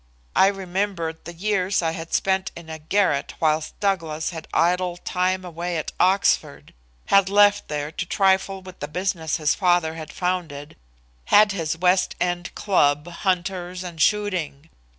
I remembered the years I had spent in a garret whilst Douglas had idled time away at Oxford, had left there to trifle with the business his father had founded, had his West End club, hunters, and shooting.